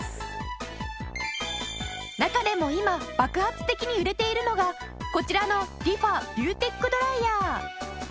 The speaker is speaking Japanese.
中でも今爆発的に売れているのがこちらのリファビューテックドライヤー。